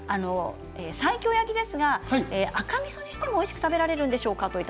西京焼きですが赤みそにしてもおいしく食べれるんでしょうか？